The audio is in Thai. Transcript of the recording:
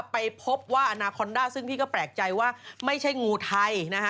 ไปพบว่าอนาคอนด้าซึ่งพี่ก็แปลกใจว่าไม่ใช่งูไทยนะฮะ